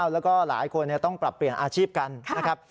แล้วก็หลายคนต้องปรับเปลี่ยนอาชีพกันนะครับ